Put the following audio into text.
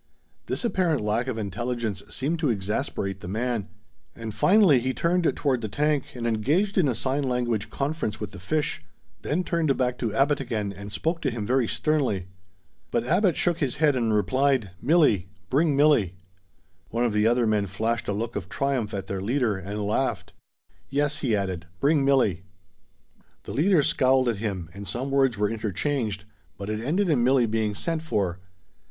This apparent lack of intelligence seemed to exasperate the man; and finally he turned toward the tank, and engaged in a sign language conference with the fish; then turned back to Abbot again and spoke to him very sternly. But Abbot shook his head and replied, "Milli. Bring Milli." One of the other men flashed a look of triumph at their leader, and laughed. "Yes," he added, "bring Milli." The leader scowled at him, and some words were interchanged, but it ended in Milli being sent for.